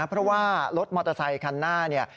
เพราะว่ารถมอเตอร์ไซด์คำหน้า